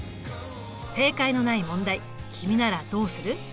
正解のない問題君ならどうする？